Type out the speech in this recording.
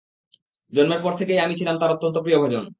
জন্মের পর থেকেই আমি ছিলাম তার অত্যন্ত প্রিয়ভাজন।